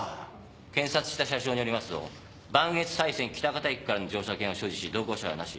検札した車掌によりますと磐越西線喜多方駅からの乗車券を所持し同行者はなし。